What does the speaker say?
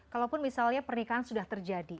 kalaupun misalnya pernikahan sudah terjadi